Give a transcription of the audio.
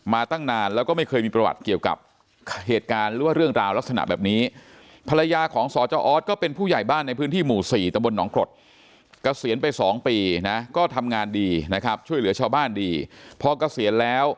มาตั้งนานแล้วก็ไม่เคยมีประวัติเกี่ยวกับเหตุการณ์หรือว่าเรื่องราวลักษณะแบบนี้